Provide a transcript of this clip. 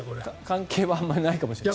関係はあまりないかもしれません。